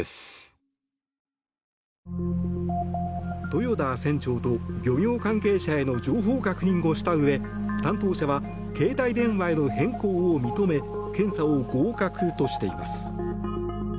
豊田船長と漁業関係者への情報確認をしたうえ担当者は携帯電話への変更を認め検査を合格としています。